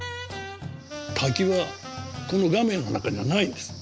滝はこの画面の中にはないんです。